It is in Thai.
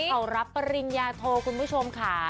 เขารับปริญญาโทคุณผู้ชมค่ะ